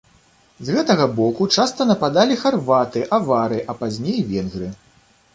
З гэтага боку часта нападалі харваты, авары, а пазней венгры.